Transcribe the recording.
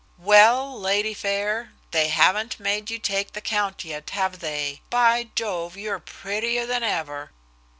"Well, lady fair, they haven't made you take the count yet, have they? By Jove, you're prettier than ever."